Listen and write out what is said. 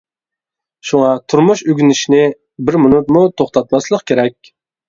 شۇڭا تۇرمۇش ئۆگىنىشنى بىر مىنۇتمۇ توختاتماسلىق كېرەك.